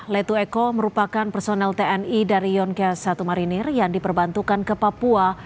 letu eko merupakan personel tni dari yonkes satu marinir yang diperbantukan ke papua